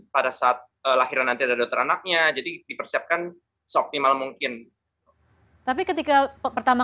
pada saat lahiran nanti ada dokter anaknya jadi dipersiapkan seoptimal mungkin tapi ketika pertama